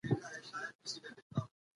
موږ باید راتلونکي ته وګورو.